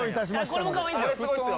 これもかわいいっすよ。